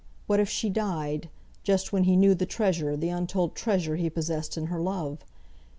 What if she died, just when he knew the treasure, the untold treasure he possessed in her love!